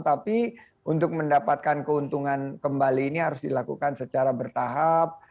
tapi untuk mendapatkan keuntungan kembali ini harus dilakukan secara bertahap